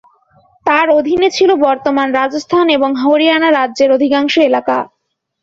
তার অধীনে ছিলো বর্তমান রাজস্থান এবং হরিয়ানা রাজ্যের অধিকাংশ এলাকা।